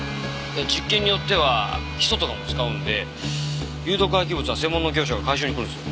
実験によってはヒ素とかも使うんで有毒廃棄物は専門の業者が回収に来るんですよ。